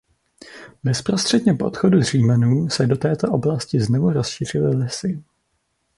Bezprostředně po odchodu Římanů se do této oblasti znovu rozšířily lesy.